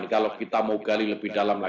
dan agama yang beragama